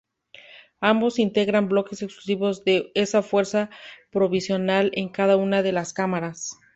Ambos integran bloques exclusivos de esa fuerza provincial en cada una de las cámaras.